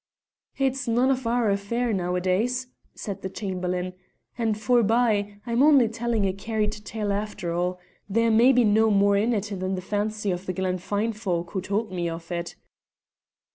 "It's none of our affair nowadays," said the Chamberlain. "And, forbye, I'm only telling a carried tale after all. There may be no more in it than the fancy of the Glen Fyne folk who told me of it."